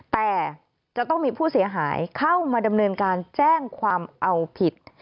แต่จะต้องมีผู้เสียหายเข้ามาดำเนินการแจ้งความเอาผิด